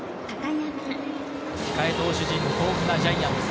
控え投手陣、豊富なジャイアンツ。